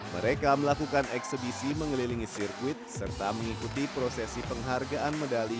mereka melakukan eksebisi mengelilingi sirkuit serta mengikuti prosesi penghargaan medali